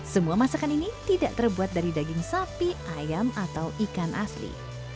semua masakan ini tidak terbuat dari daging sapi ayam atau ikan asli